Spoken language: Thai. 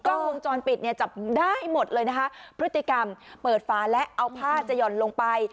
กล้องวงจรปิดเนี่ยจับได้หมดเลยนะคะพฤติกรรมเปิดฝาและเอาผ้าจะหย่อนลงไป